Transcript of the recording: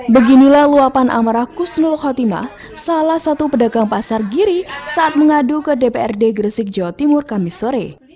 beginilah luapan amarah kusnul khotimah salah satu pedagang pasar giri saat mengadu ke dprd gresik jawa timur kamisore